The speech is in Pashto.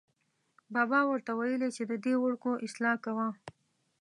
بابا ور ته ویلې چې ددې وړکو اصلاح کوه.